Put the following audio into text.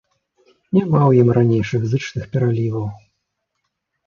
Няма ў ім ранейшых зычных пераліваў.